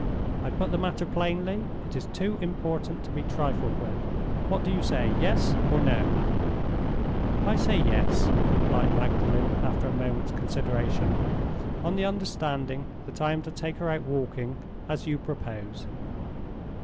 I put the matter plainly, it is too important to be trifled with. What do you say—yes or no?" "I say yes," replied Magdalen, after a moment's consideration. "On the understanding that I am to take her out walking, as you propose."